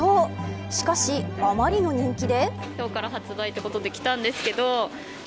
しかし、あまりの人気で。